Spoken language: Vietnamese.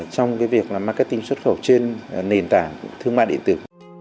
trong việc marketing xuất khẩu trên nền tảng thương mại điện tử